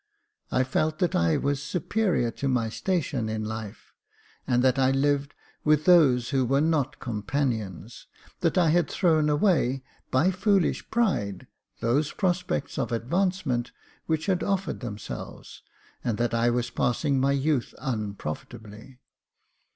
I felt that I was superior to my station in life, and that I lived with those who were not companions — that I had thrown away, by foolish pride, those prospects of advancement which had offered themselves, and that I was passing my youth unprofitably.